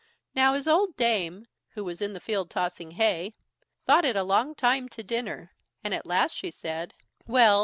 Now, his old dame, who was in the field tossing hay, thought it a long time to dinner, and at last she said: "Well!